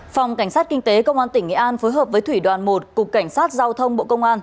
phòng cảnh sát kinh tế công an tp hcm phối hợp với thủy đoàn một cục cảnh sát giao thông bộ công an